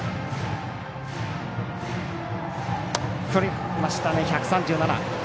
振りましたね、１３７キロ。